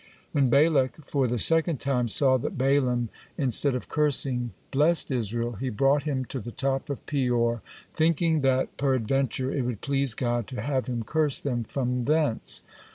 When Balak for the second time saw that Balaam, instead of cursing, blessed Israel, he brought him to the top of Peor, thinking that peradventure it would please God to have him curse them from thence.